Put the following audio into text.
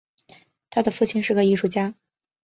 他的父亲是个艺术家。